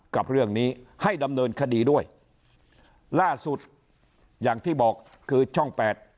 กับเรื่องนี้ให้ดำเนินคดีด้วยล่าสุดอย่างที่บอกคือช่องแปด